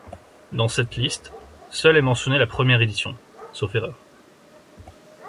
Dans cette liste, seule est mentionnée la première édition, sauf erreur.